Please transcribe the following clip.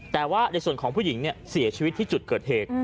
แต่ว่าในส่วนของผู้หญิงเสียชีวิตที่จุดเกิดเหตุ